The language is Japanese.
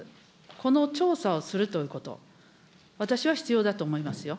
この調査をするということ、私は必要だと思いますよ。